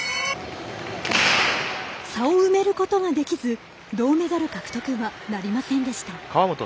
差を埋めることができず銅メダル獲得はなりませんでした。